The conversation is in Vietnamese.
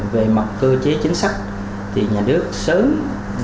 về mặt cơ chế chính sách thì nhà nước sớm